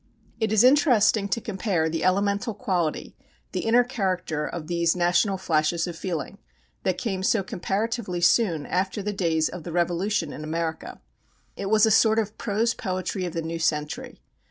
It is interesting to compare the elemental quality, the inner character of these national flashes of feeling, that came so comparatively soon after the days of the revolution in America. It was a sort of prose poetry of the new century.